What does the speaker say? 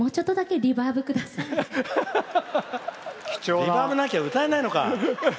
リバーブなきゃ歌えないのか！